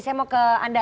saya mau ke anda